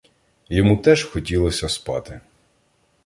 Йому теж хотілося спати.